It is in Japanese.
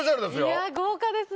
いや豪華ですね。